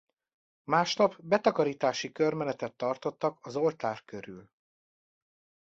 Másnap betakarítási körmenetet tartottak az oltár körül.